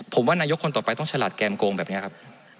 ผมว่านายกคนต่อไปต้องฉลาดแก้มโกงแบบนี้ครับ